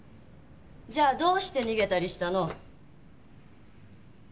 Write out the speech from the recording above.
じゃあどうして逃げたりしたの？